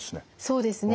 そうですね